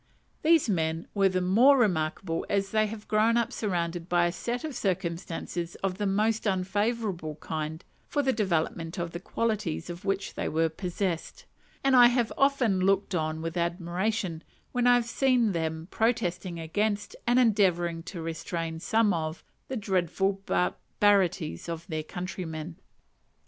These men were the more remarkable as they had grown up surrounded by a set of circumstances of the most unfavourable kind for the development of the qualities of which they were possessed; and I have often looked on with admiration, when I have seen them protesting against, and endeavouring to restrain some of, the dreadful barbarities of their countrymen.